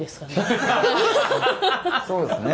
そうですね。